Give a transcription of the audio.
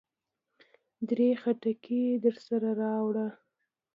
درې خټکي درسره راوړه.